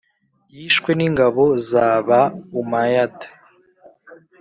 yishwe n’ingabo za ba umayyad